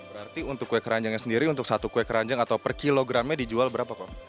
berarti untuk kue keranjangnya sendiri untuk satu kue keranjang atau per kilogramnya dijual berapa kok